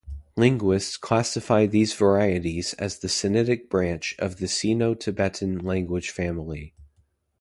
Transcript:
Linguists classify these varieties as the Sinitic branch of the Sino-Tibetan language family.